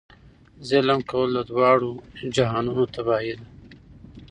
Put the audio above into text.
ظلم کول د دواړو جهانونو تباهي ده.